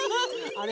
あれ？